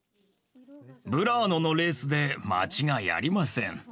ブラーノのレースで間違いありません。